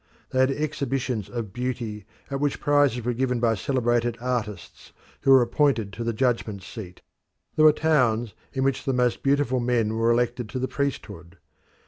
They had exhibitions of beauty at which prizes were given by celebrated artists who were appointed to the judgment seat. There were towns in which the most beautiful men were elected to the priesthood.